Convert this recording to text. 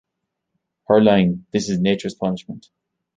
Her line This is nature's punishment!